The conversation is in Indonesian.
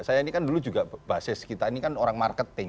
saya ini kan dulu juga basis kita ini kan orang marketing